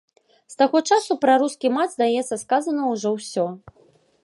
З таго часу пра рускі мат, здаецца, сказана ўжо ўсё.